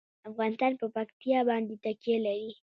افغانستان په پکتیا باندې تکیه لري.